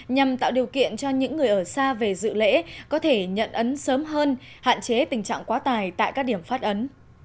nhằm tạo điều kiện cho những người ở xa về dự lễ có thể nhận ấn sớm hơn hạn chế tình trạng quá tài tại các điểm phát ấn